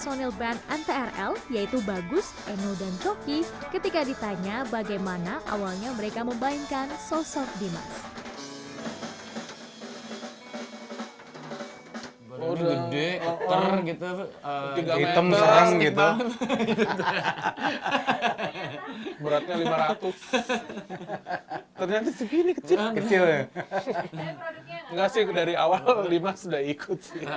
ini juga yang saya ingin kasih tau